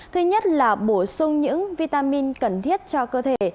thứ nhất là bổ sung những vitamin cần thiết cho cơ thể